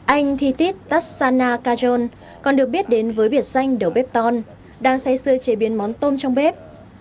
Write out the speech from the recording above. anh thitit tassana kajol còn được biết đến với biệt danh đầu bếp ton đang xây xưa chế biến món tôm trong bếp